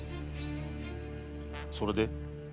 それで？